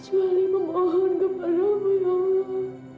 kecuali memohon kepadamu ya allah